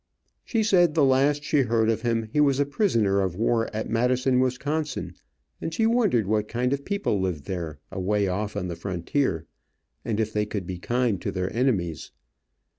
She said the last she heard of him he was a prisoner of war at Madison, Wis., and she wondered what kind of people lived there, away off on the frontier, and if they could be kind to their enemies.